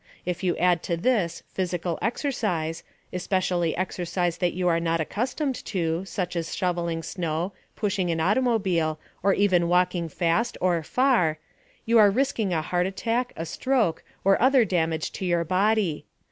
If you add to this physical exercise, especially exercise that you are not accustomed to such as shovelling snow, pushing an automobile, or even walking fast or far you are risking a heart attack, a stroke, or other damage to your body.